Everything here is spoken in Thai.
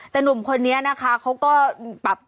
แต่หนุ่มคนนี้นะคะเขาก็แบบ